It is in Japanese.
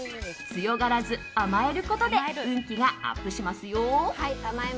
強がらず、甘えることで運気がアップしますよ。